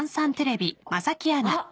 あっ！